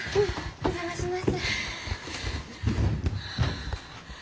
お邪魔します。